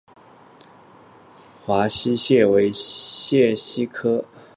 绛县华溪蟹为溪蟹科华溪蟹属的动物。